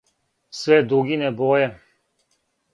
Све дугине боје.